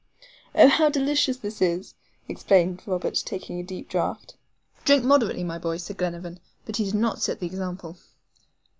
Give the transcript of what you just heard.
"Oh, how delicious this is!" exclaimed Robert, taking a deep draught. "Drink moderately, my boy," said Glenarvan; but he did not set the example.